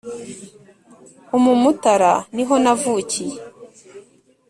umumutara niho navukiye.